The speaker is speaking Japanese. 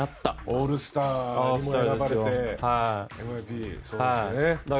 オールスターに選ばれてＭＶＰ。